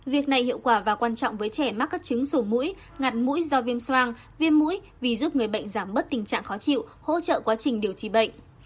việc này hiệu quả và quan trọng với trẻ mắc các chứng sổ mũi nhặt mũi do viêm soang viêm mũi vì giúp người bệnh giảm bớt tình trạng khó chịu hỗ trợ quá trình điều trị bệnh